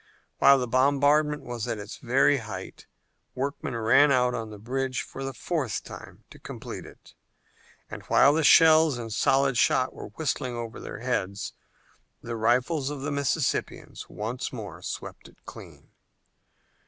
While the bombardment was at its very height workmen ran out on the bridge for the fourth time to complete it, and while the shells and solid shot were whistling over their heads, the rifles of the Mississippians once more swept it clean.